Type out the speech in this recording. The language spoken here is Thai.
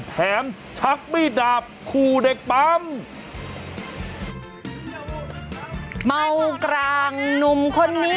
แถมชักปี้ดาบคู่เด็กปั๊ม